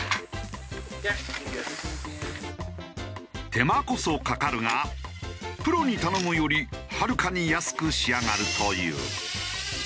手間こそかかるがプロに頼むよりはるかに安く仕上がるという。